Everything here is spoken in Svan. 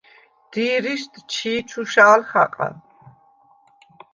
დი̄რიშდ ჩი̄ ჩუშა̄ლ ხაყა.